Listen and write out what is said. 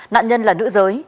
nạn nhân là nữ giới